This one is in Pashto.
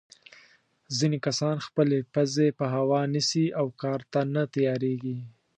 ځینې کسان خپلې پزې په هوا نیسي او کار ته نه تیارېږي.